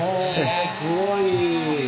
すごい。